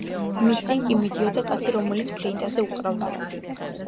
მის წინ კი მიდიოდა კაცი რომელიც ფლეიტაზე უკრავდა.